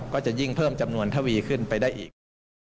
ก็จะยิ่งเพิ่มจำนวนทวีขึ้นไปได้อีก